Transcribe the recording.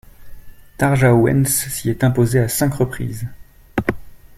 Tarja Owens s'y est imposée à cinq reprises.